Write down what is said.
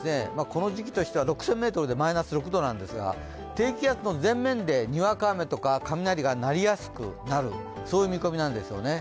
この時期としては６０００ｍでマイナス６度なんですが、低気圧の前面でにわか雨とか雷が鳴りやすくなる見込みなんですね。